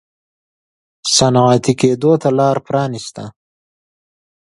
صنعتي کېدو ته لار پرانېسته.